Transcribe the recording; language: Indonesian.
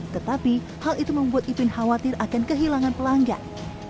tetapi hal itu membuat ipin khawatir akan kehilangan pelanggan